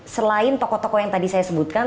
selain tokoh tokoh yang tadi saya sebutkan